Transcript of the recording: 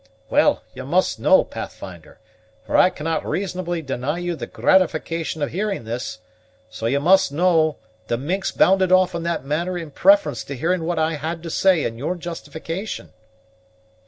Well, you must know, Pathfinder, for I cannot reasonably deny you the gratification of hearing this, so you must know the minx bounded off in that manner in preference to hearing what I had to say in your justification."